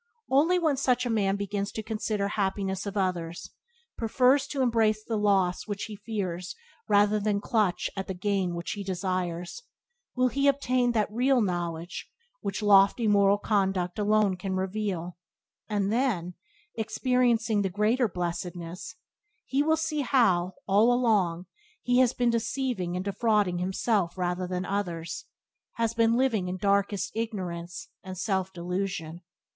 Only when such a man begins to consider happiness of others, prefers to embrace the loss which he fears rather than clutch at the gain which he desires, will he obtain that real knowledge which lofty moral conduct alone can reveal; and then, experiencing the greater blessedness, he will see how, all along, he has been deceiving and defrauding himself rather than others, has been living in darkest ignorance and self delusion.